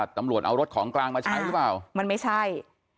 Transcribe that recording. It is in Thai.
ตำรวจเอารถของกลางมาใช้หรือเปล่ามันไม่ใช่